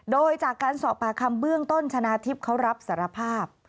โดยจากการสอบปากคำเบื้องต้นชนะทิพย์เขารับสารภาพ